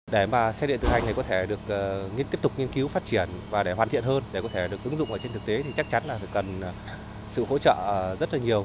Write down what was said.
để mà xe điện tự hành thì có thể được tiếp tục nghiên cứu phát triển và để hoàn thiện hơn để có thể được ứng dụng ở trên thực tế thì chắc chắn là cần sự hỗ trợ rất là nhiều